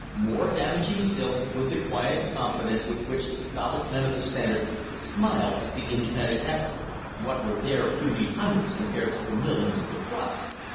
More damaging still was the quiet confidence with which the solid men of the Standard smiled at the independent effort. What were their puny hundreds compared to the millions of the trust?